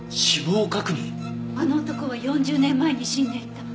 あの男は４０年前に死んでいた。